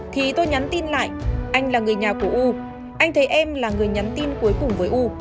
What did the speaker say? thì tôi nhắn tin lại anh là người nhà của u anh thấy em là người nhắn tin cuối cùng với u